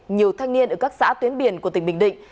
nhiều thanh niên ở các xã tuyến biển của tỉnh bình định